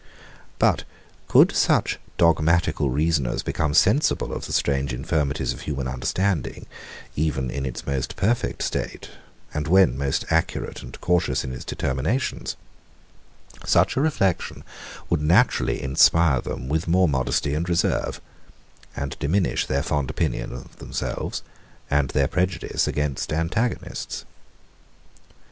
But could such dogmatical reasoners become sensible of the strange infirmities of human understanding, even in its most perfect state, and when most accurate and cautious in its determinations; such a reflection would naturally inspire them with more modesty and reserve, and diminish their fond opinion of themselves, and their prejudice against antagonists.